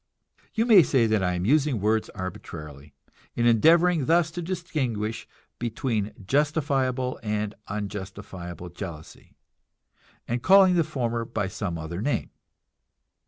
You may say that I am using words arbitrarily, in endeavoring thus to distinguish between justifiable and unjustifiable jealousy, and calling the former by some other name.